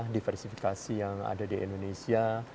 diversifikasi yang ada di indonesia